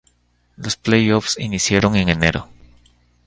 Los playoffs iniciaron en enero.